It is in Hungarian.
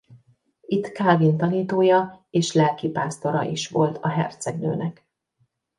Itt Kálvin tanítója és lelkipásztora is volt a hercegnőnek.